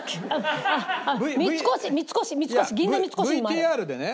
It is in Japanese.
ＶＴＲでね